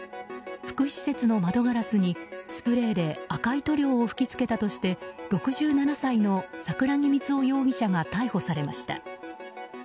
福祉施設の窓ガラスにスプレーで赤い塗料を吹き付けたとして６７歳の桜木光夫容疑者が逮捕されました。